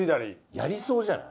やりそうじゃない？